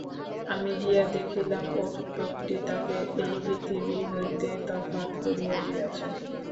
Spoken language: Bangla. আমি গিয়া দেখিলাম, অনুর রোগটি তাকে এই পৃথিবী হইতে তফাত করিয়া দিয়াছে।